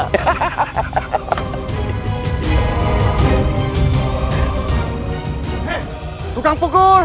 hei tukang pukul